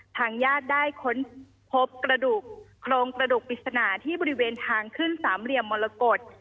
ทางญาติได้ค้นพบกระดูกโครงกระดูกปริศนาที่บริเวณทางขึ้นสามเหลี่ยมมรกฏ